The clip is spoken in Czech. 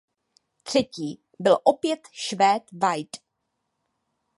Třetí byl opět Švéd Wide.